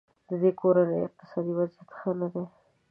ددې کورنۍ اقتصادي وضیعت ښه نه دی.